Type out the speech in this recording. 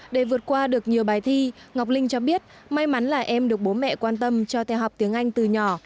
để vượt qua được nhiều bài thi ngọc linh cho biết may mắn là em được bố mẹ quan tâm cho theo học tiếng anh từ nhỏ